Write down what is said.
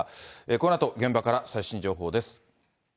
このあと現場から最新情報です。